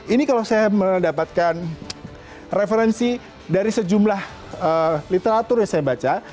ini kalau saya mendapatkan referensi dari sejumlah literatur yang saya baca